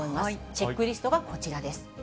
チェックリストがこちらです。